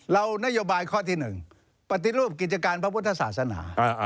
นโยบายข้อที่๑ปฏิรูปกิจการพระพุทธศาสนา